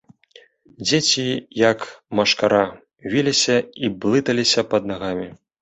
Дзеці, як машкара, віліся і блыталіся пад нагамі.